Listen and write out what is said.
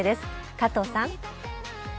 加藤さん。